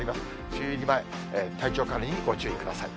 梅雨入り前、体調管理にご注意ください。